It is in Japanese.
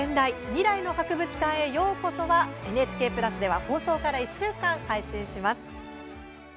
「未来の博物館へ」ようこそ」はＮＨＫプラスでは放送から１週間、配信します。